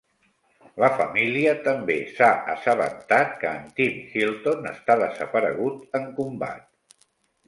La família també s"ha assabentat que en Tim Hilton està desaparegut en combat.